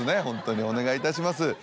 ホントにお願いいたします。